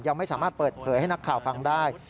ยังไม่สามารถเปิดเผยให้นักข่าวฟังได้